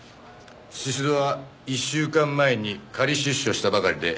宍戸は１週間前に仮出所したばかりでつまり。